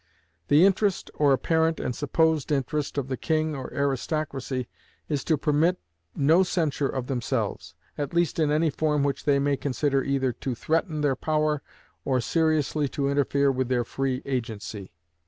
The interest, or apparent and supposed interest of the king or aristocracy, is to permit no censure of themselves, at least in any form which they may consider either to threaten their power or seriously to interfere with their free agency.